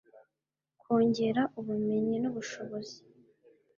Kongera ubumenyi n ubushobozi